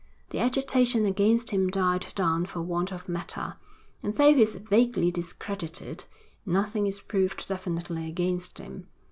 The agitation against him died down for want of matter, and though he is vaguely discredited, nothing is proved definitely against him.